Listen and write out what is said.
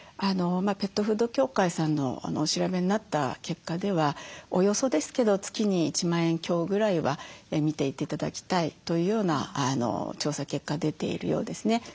ペットフード協会さんのお調べになった結果ではおおよそですけど月に１万円強ぐらいは見て頂きたいというような調査結果出ているようですね。